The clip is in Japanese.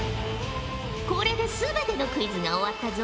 これですべてのクイズが終わったぞ。